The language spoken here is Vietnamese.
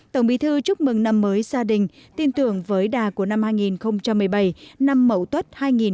tổng bí thư chúc mừng năm mới gia đình tin tưởng với đà của năm hai nghìn một mươi bảy năm mậu tuất hai nghìn một mươi tám